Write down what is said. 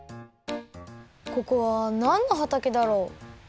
ここはなんのはたけだろ？